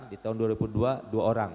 di tahun dua ribu dua dua orang